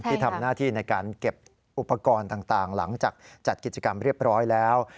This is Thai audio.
ที่ทำหน้าที่ในการเก็บอุปกรณ์ต่างหลังจากจัดกิจกรรมเรียบร้อยแล้ว